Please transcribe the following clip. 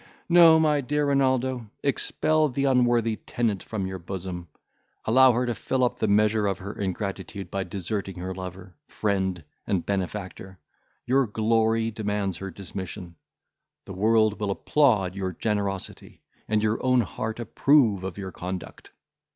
"No, my dear Renaldo, expel the unworthy tenant from your bosom; allow her to fill up the measure of her ingratitude, by deserting her lover, friend, and benefactor. Your glory demands her dismission; the world will applaud your generosity, and your own heart approve of your conduct.